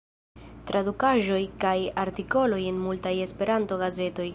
Tradukaĵoj kaj artikoloj en multaj Esperanto-gazetoj.